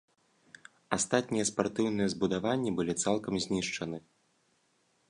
Астатнія спартыўныя збудаванні былі цалкам знішчаны.